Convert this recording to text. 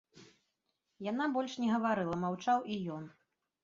Яна больш не гаварыла, маўчаў і ён.